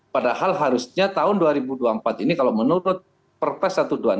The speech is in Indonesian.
padahal harusnya tahun dua ribu dua puluh empat ini kalau menurut perpres satu ratus dua puluh enam